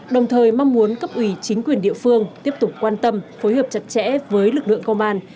đồng thời mong muốn cấp ủy chính quyền địa phương tiếp tục quan tâm phối hợp chặt chẽ với lực lượng công an